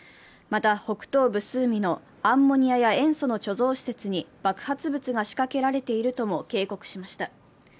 また北東部スーミのアンモニアや塩素の貯蔵施設に爆発物が仕掛けられているとも警告しました。